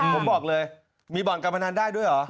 ผมบอกเลยมีบ่อนการพนันได้ด้วยเหรอ